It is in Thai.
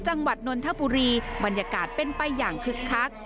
นนทบุรีบรรยากาศเป็นไปอย่างคึกคัก